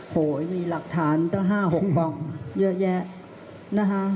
โหยมีหลักฐานตั้ง๕๖กล่องเยอะแยะนะคะ